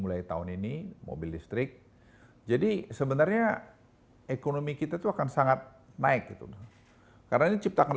mulai tahun ini mobil listrik jadi sebenarnya ekonomi kita itu akan sangat naik itu karena ini ciptakan